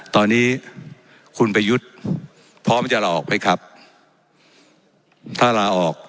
ตอนนี้คุณประยุทธ์พร้อมจะลาออกไหมครับถ้าลาออก